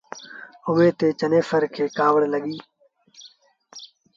ايئي تي چنيسر کي ڪآوڙ لڳيٚ۔